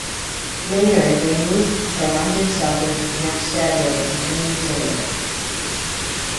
Later they moved to the London suburb of Hampstead where they continue to live.